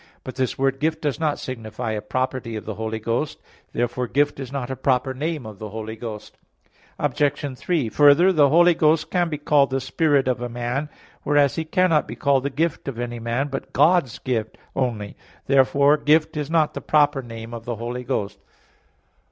But this word Gift does not signify a property of the Holy Ghost. Therefore Gift is not a proper name of the Holy Ghost. Obj. 3: Further, the Holy Ghost can be called the spirit of a man, whereas He cannot be called the gift of any man, but "God's Gift" only. Therefore Gift is not the proper name of the Holy Ghost.